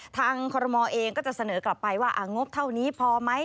คอรมอลเองก็จะเสนอกลับไปว่างบเท่านี้พอไหม